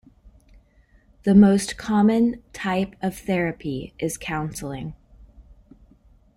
The most common type of therapy is counseling.